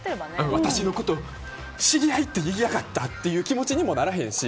私のこと、知り合いって言いやがった！って気持ちにもならへんし。